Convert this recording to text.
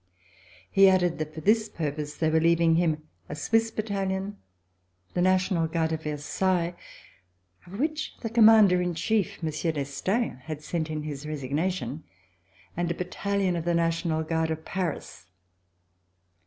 He added that for this purpose they were leaving him a Swiss battalion, the National Guard of Versailles, of which the commander in chief, Mon sieur d'Estaing, had sent in his resignation, and a battalion of the National Guard of Paris.